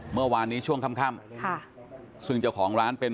เมื่อวานนี้ช่วงค่ำค่ะซึ่งเจ้าของร้านเป็น